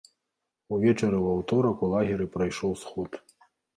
Увечары ў аўторак у лагеры прайшоў сход.